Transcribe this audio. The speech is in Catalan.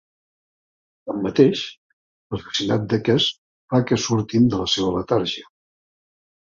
Tanmateix, l'assassinat d'aquest fa que surtin de la seva letargia.